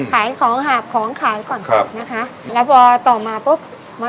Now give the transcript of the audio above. ขายของหาบของขายก่อนครับนะคะแล้วพอต่อมาปุ๊บมา